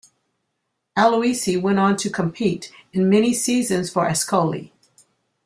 Aloisi went on to compete in many season for Ascoli.